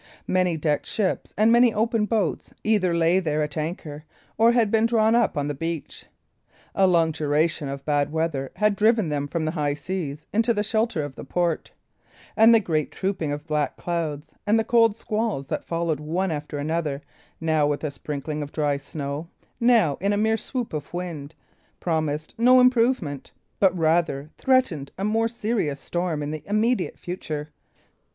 Many decked ships and many open boats either lay there at anchor, or had been drawn up on the beach. A long duration of bad weather had driven them from the high seas into the shelter of the port; and the great trooping of black clouds, and the cold squalls that followed one another, now with a sprinkling of dry snow, now in a mere swoop of wind, promised no improvement but rather threatened a more serious storm in the immediate future.